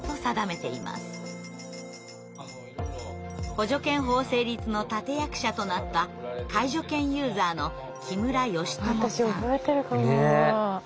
補助犬法成立の立て役者となった介助犬ユーザーの私覚えてるかも。